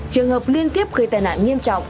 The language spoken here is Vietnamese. trường hợp liên tiếp gây tai nạn nghiêm trọng